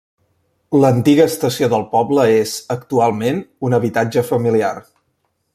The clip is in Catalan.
L'antiga estació del poble és, actualment, un habitatge familiar.